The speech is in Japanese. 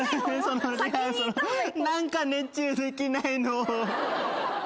何か熱中できないの。